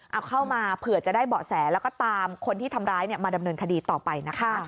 เอาเข้ามาเผื่อจะได้เบาะแสแล้วก็ตามคนที่ทำร้ายมาดำเนินคดีต่อไปนะคะ